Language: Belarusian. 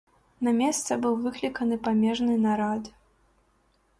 На месца быў выкліканы памежны нарад.